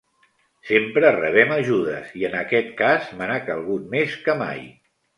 Sempre rebem ajudes, i en aquest cas me n'ha calgut més que mai.